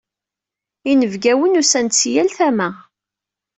Inebgawen usan-d si yal tama.